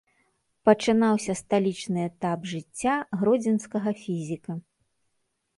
Пачынаўся сталічны этап жыцця гродзенскага фізіка.